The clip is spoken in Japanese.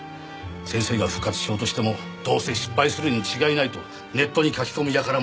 先生が復活しようとしてもどうせ失敗するに違いないとネットに書き込む輩もいたんです。